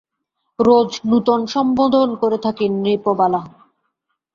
রোজ নূতন সম্বোধন করে থাকি– নৃপবালা।